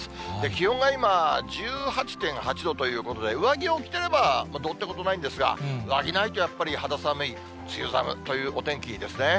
気温が今、１８．８度ということで、上着を着てれば、どうってことないんですが、上着ないとやっぱり肌寒い、梅雨寒というお天気ですね。